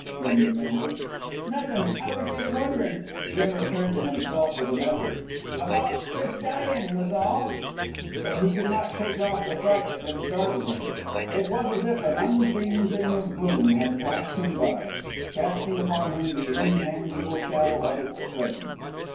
Matt demanded. "Nothin'. I was just wonderin'" Jim returned to himself with an effort "about this dyin', that was all." But he could not shake off the fright that had startled him. It was as if an unseen thing of gloom had passed him by, casting upon him the intangible shadow of its presence.